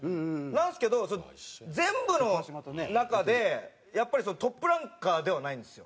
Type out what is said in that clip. なんですけど全部の中でやっぱりトップランカーではないんですよ。